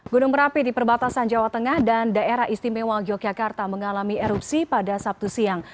gunung merapi di perbatasan jawa tengah dan daerah istimewa yogyakarta mengalami erupsi pada sabtu siang